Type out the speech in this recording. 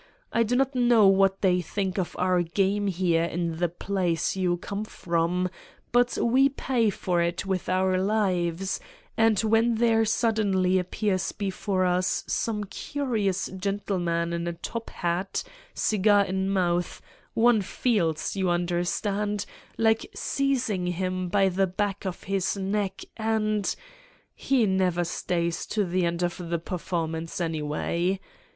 I do not know what they think of our game here in the 'place' you come from, but we pay for it with our lives, and when there suddenly appears before us some curious gentleman in a top hat, cigar in mouth, one feels, you understand, like seizing him by the back of his neck and ... he never stays to the end of the performance, anyway.